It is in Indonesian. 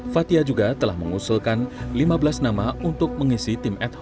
fathia juga telah mengusulkan lima belas nama untuk mengisi tim ad hoc